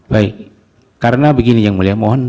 baik karena begini yang mulia mohon